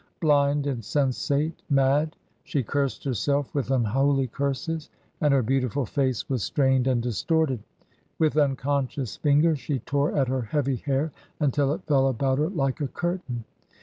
Blind, insensate, mad! She cursed herself with unholy curses, and her beautiful face was strained and distorted. With unconscious fingers she tore at her heavy hair until it fell about her like a curtain.